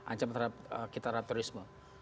ancaman terhadap kita terhadap terorisme